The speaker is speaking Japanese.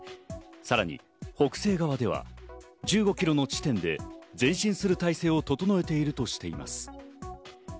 さらに北西側では１５キロの地点で前進する体制を整えているとしています。